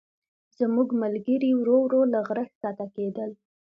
زموږ ملګري ورو ورو له غره ښکته کېدل.